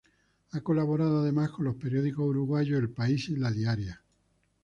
Ha colaborado además con los periódicos uruguayos "El País" y "La Diaria".